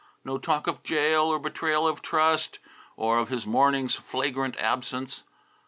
No talk of jail or betrayal of trust or of his morning's flagrant absence.